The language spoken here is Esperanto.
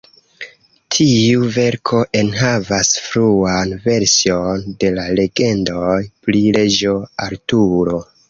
Tiu verko enhavas fruan version de la legendoj pri Reĝo Arturo.